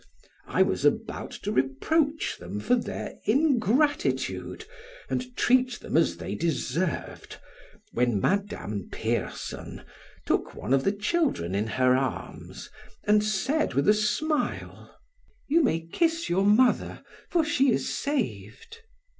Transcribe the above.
I was about to reproach them for their ingratitude and treat them as they deserved, when Madame Pierson took one of the children in her arms and said with a smile: "You may kiss your mother, for she is saved."